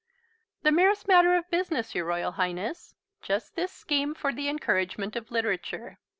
"The merest matter of business, your Royal Highness. Just this scheme for the Encouragement of Literature.